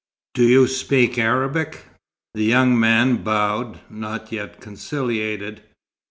Do you speak Arabic?" The young man bowed, not yet conciliated.